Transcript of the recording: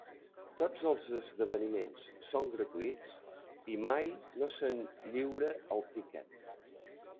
Tots els esdeveniments són gratuïts i mai no se'n lliura el tiquet.